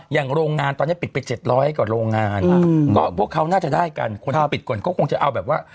โรงงานตอนนี้ปิดไป๗๐๐กว่าโรงงานก็พวกเขาน่าจะได้กันคนที่ปิดก่อนก็คงจะเอาแบบว่า